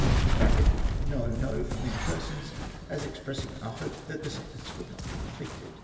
{^' No, no!" from many persons, as expressing a hope that the sentence would not be inflicted.)